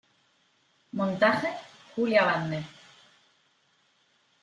Montaje: Julia Bande.